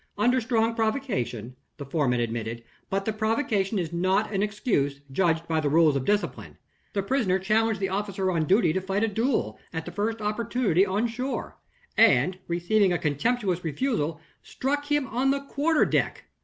"Under strong provocation," the foreman admitted. "But provocation is not an excuse, judged by the rules of discipline. The prisoner challenged the officer on duty to fight a duel, at the first opportunity, on shore; and, receiving a contemptuous refusal, struck him on the quarter deck.